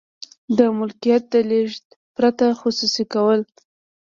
د ملکیت د لیږد پرته خصوصي کول.